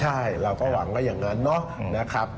ใช่เราก็หวังไว้อย่างนั้นเนาะนะครับ